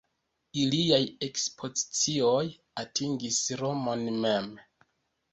Iliaj ekspedicioj atingis Romon mem.